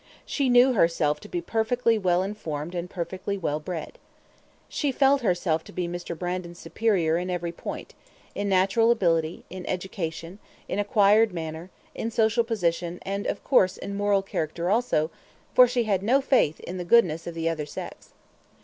She knew herself to be perfectly well informed and perfectly well bred. She felt herself to be Mr. Brandon's superior in every point in natural ability, in education, in acquired manner, in social position, and, of course, in moral character also, for she had no faith in the goodness of the other sex.